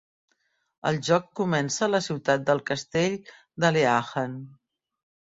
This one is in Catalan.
El joc comença a la ciutat del castell d'Aliahan.